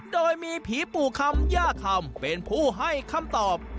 โดยมีผีปู่คำย่าคำเป็นผู้ให้คำตอบ